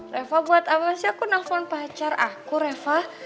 reva buat apa sih aku nelfon pacar aku reva